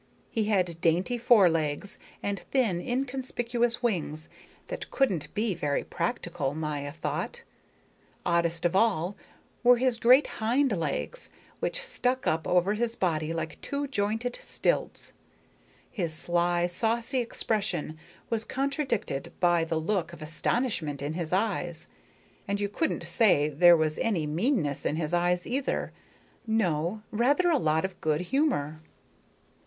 He had dainty forelegs and thin, inconspicuous wings that couldn't be very practical, Maya thought. Oddest of all were his great hindlegs, which stuck up over his body like two jointed stilts. His sly, saucy expression was contradicted by the look of astonishment in his eyes, and you couldn't say there was any meanness in his eyes either. No, rather a lot of good humor.